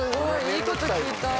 いいこと聞いた。